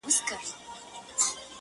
چي ور ياده د پيشو به يې ځغستا سوه،